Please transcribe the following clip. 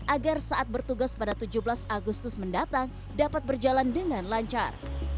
agar saat bertugas pada tujuh belas agustus mendatang dapat berjalan dengan lancar